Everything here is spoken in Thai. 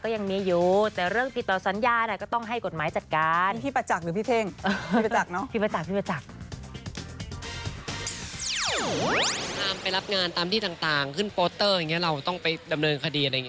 อย่างนี้เราต้องไปดำเนินคดีอะไรอย่างนี้